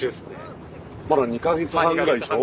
まだ２か月半くらいでしょ？